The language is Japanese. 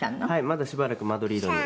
まだしばらくマドリードに」